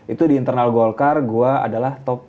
itu di internal golkar gue adalah top